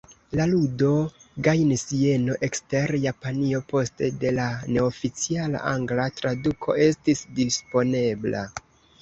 La ludo gajnis jeno ekster Japanio poste de la neoficiala angla traduko estis disponebla.